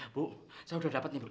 bu saya udah dapet nih bu